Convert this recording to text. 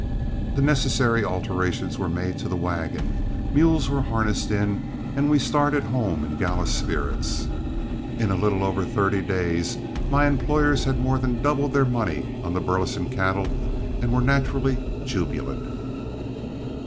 The necessary alterations were made to the wagon, mules were harnessed in, and we started home in gala spirits. In a little over thirty days my employers had more than doubled their money on the Burleson cattle and were naturally jubilant.